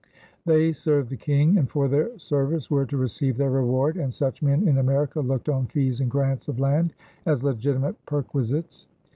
They served the King and for their service were to receive their reward, and such men in America looked on fees and grants of land as legitimate perquisites.